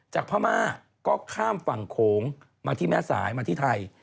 พม่าก็ข้ามฝั่งโขงมาที่แม่สายมาที่ไทย